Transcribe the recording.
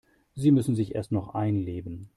Sie muss sich erst noch einleben.